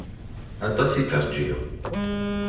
Aṭas i k-rjiɣ.